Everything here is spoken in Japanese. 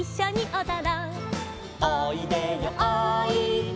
「おいでよおいで」